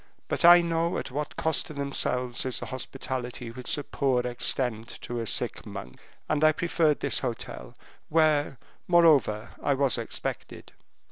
But I know at what cost to themselves is the hospitality which the poor extend to a sick monk, and I preferred this hotel, where, moreover, I was expected."